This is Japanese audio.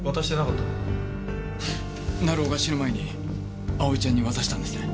成尾が死ぬ前に蒼ちゃんに渡したんですね？